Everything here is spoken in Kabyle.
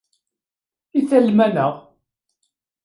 I tallem-aneɣ?